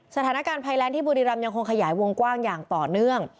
สถานการณ์ภัยแรงที่บุรีรำยังคงขยายวงกว้างอย่างต่อเนื่อง